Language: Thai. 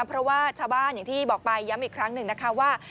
เพราะว่าชาวบ้านอย่างที่บอกไปย้ำอีกครั้งหนึ่งนะคะว่า